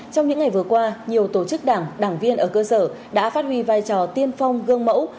trong những ngày vừa qua nhiều tổ chức đảng đảng viên ở cơ sở đã phát huy vai trò tiên phong gương mẫu